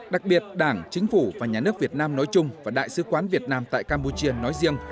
đặc biệt đảng chính phủ và nhà nước việt nam nói chung và đại sứ quán việt nam tại campuchia nói riêng